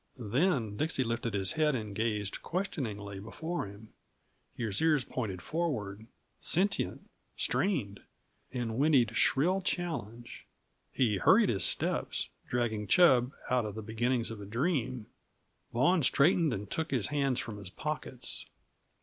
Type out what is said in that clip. Then Dixie lifted his head and gazed questioningly before him, his ears pointed forward sentient, strained and whinnied shrill challenge. He hurried his steps, dragging Chub out of the beginnings of a dream. Vaughan straightened and took his hands from his pockets.